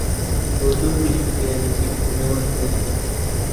بۆ دۆخی سووریا نزیکبوونەوە هەیە